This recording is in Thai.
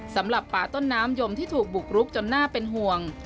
สำหรับป่าต้นน้ำยมที่ถูกบุกรุกจนน่าเป็นห่วง